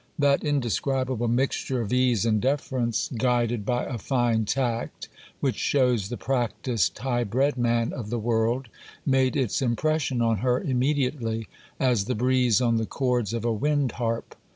That indescribable mixture of ease and deference, guided by a fine tact, which shows the practised, high bred man of the world, made its impression on her immediately, as the breeze on the chords of a wind harp.